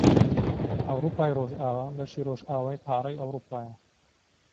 ئەوروپای ڕۆژئاوا بەشی ڕۆژئاوای قاڕەی ئەوروپایە